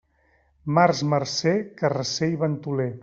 Març marcer, carasser i ventoler.